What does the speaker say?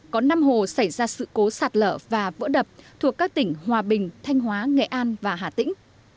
có năm hồ xảy ra sự cố sạt lở và vỡ đập thuộc các tỉnh hòa bình thanh hóa nghệ an và hà tĩnh